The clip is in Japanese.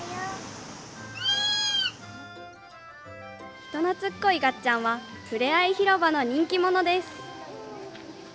人懐っこいがっちゃんはふれあい広場の人気者です。